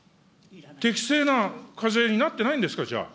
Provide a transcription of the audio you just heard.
適正な課税になってないんですか、じゃあ。